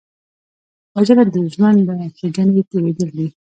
وژنه د ژوند له ښېګڼې تېرېدل دي